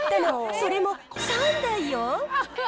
それも３台よ。